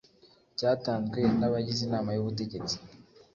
cyatanzwe n abagize inama y ubutegetsi